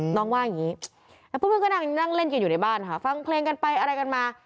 น้องว่าอย่างนี้แล้วเพื่อนก็นั่งเล่นกันอยู่ในบ้านค่ะฟังเพลงกันไปอะไรกันมา